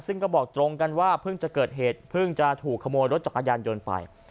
ซึ่งก็บอกตรงกันว่าเพิ่งจะเกิดเหตุเพิ่งจะถูกขโมยรถจักรยานยนต์ไป